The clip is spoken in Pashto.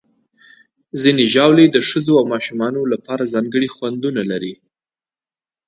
ځینې ژاولې د ښځو او ماشومانو لپاره ځانګړي خوندونه لري.